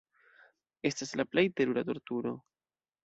Estas la plej terura torturo.